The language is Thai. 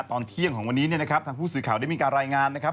ตอนเที่ยงของวันนี้เนี่ยนะครับทางผู้สื่อข่าวได้มีการรายงานนะครับ